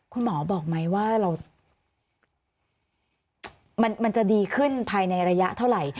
คุณหมอบอกไหมว่าเราจะดีขึ้นภายในระยะเท่าไหร่